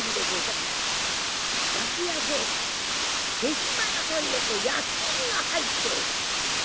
豊島屋さんの焼き印が入っております。